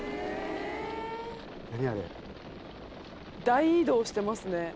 大移動してますね。